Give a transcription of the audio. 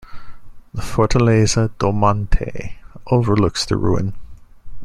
The Fortaleza do Monte overlooks the ruin.